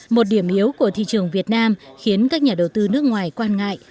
một điểm yếu của thị trường việt nam khiến các nhà đầu tư nước ngoài quan ngại